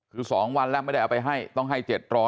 คือ๒วันแล้วไม่ได้เอาไปให้ต้องให้๗๐๐